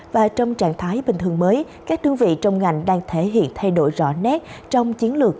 và trong trạng thái bình thường mới các đơn vị trong ngành đang thể hiện thay đổi rõ nét trong chiến lược